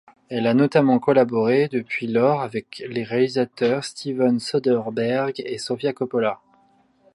Elle a notamment collaboré depuis lors avec les réalisateurs Steven Soderbergh et Sofia Coppola.